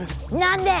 何で！